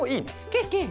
ケケ。